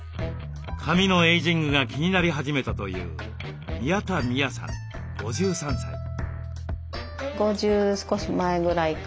髪のエイジングが気になり始めたという宮田美弥さん５３歳。